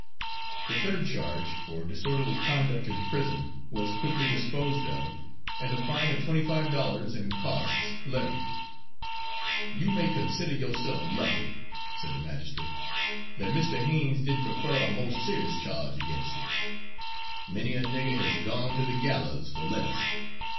The third charge, for disorderly conduct in prison, was quickly disposed of, and a fine of twenty five dollars and costs levied. "You may consider yo'self lucky," said the magistrate, "that Mr. Haines didn't prefer a mo' serious charge against you. Many a nigger has gone to the gallows for less.